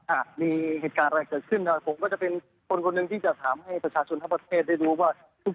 มีเหตุการณ์อะไรเกิดขึ้นครับผมก็จะเป็นคนคนหนึ่งที่จะถามให้ประชาชนทั้งประเทศได้รู้ว่า